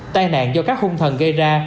tai nạn do các hung thần gây ra